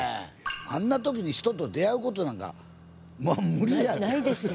あんな時に人と出会うことなんか無理やで。